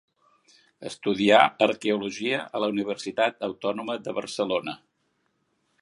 Estudià arqueologia a la Universitat Autònoma de Barcelona.